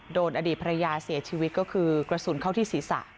อดีตภรรยาเสียชีวิตก็คือกระสุนเข้าที่ศีรษะ